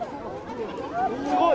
すごい。